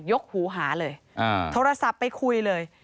กหูหาเลยโทรศัพท์ไปคุยเลย